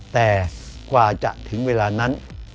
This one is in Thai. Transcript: แต่กว่าจะถึงเวลานั้น